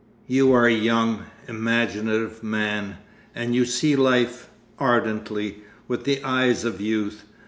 You are a young, imaginative man, and you see life—ardently—with the eyes of youth.